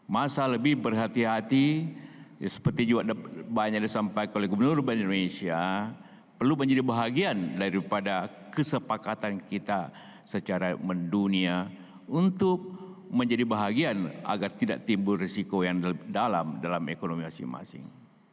masa lebih berhati hati seperti juga banyak disampaikan oleh gubernur bank indonesia perlu menjadi bahagian daripada kesepakatan kita secara mendunia untuk menjadi bahagian agar tidak timbul risiko yang dalam dalam ekonomi masing masing